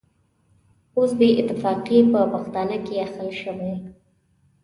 اوس بې اتفاقي په پښتانه کې اخښل شوې.